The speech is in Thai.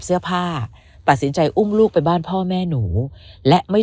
เสื้อผ้าตัดสินใจอุ้มลูกไปบ้านพ่อแม่หนูและไม่